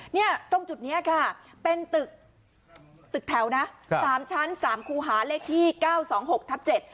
เนี่ยตรงจุดเนี้ยค่ะเป็นตึกตึกแถวนะครับสามชั้นสามคูหาเลขที่เก้าสองหกทับเจ็ด